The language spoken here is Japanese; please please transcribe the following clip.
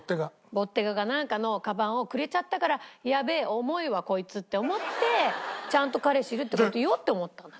ボッテガかなんかのカバンをくれちゃったから「やべえ重いわこいつ」って思ってちゃんと彼氏いるって事言おうって思ったんだと思う。